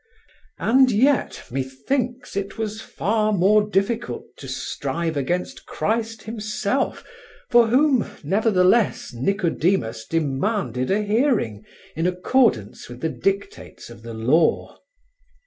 And yet, methinks, it was far more difficult to strive against Christ Himself, for Whom, nevertheless, Nicodemus demanded a hearing in accordance with the dictates of the law.